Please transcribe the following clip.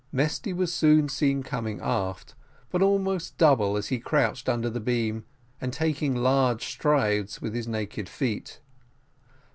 Mesty was soon seen coming aft, but almost double as he couched under the beams, and taking large strides with his naked feet.